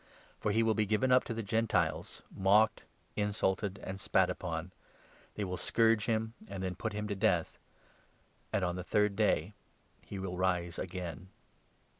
For he will be given up to the Gentiles, mocked, insulted and spat upon ; they will scourge him, and then put him to death ; and on the third day he will rise again."